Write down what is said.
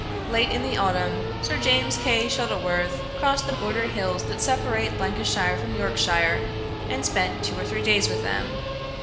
Late in the autumn, Sir James Kay Shuttleworth crossed the border hills that separate Lancashire from Yorkshire, and spent two or three days with them.